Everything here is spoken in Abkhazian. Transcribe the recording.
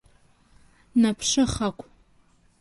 Наԥшыхақә…